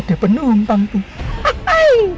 ada penumpang tuh